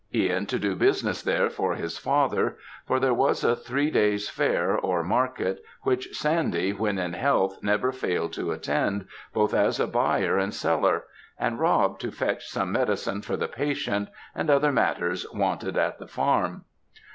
Ihan to do business there for his father; for there was a three days fair, or market, which Sandy, when in health, never failed to attend, both as a buyer and seller; and Rob to fetch some medicine for the patient, and other matters wanted at the farm.